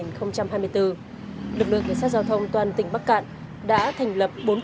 lực lượng cảnh sát giao thông toàn tỉnh bắc cạn đã thành lập bốn trăm linh một k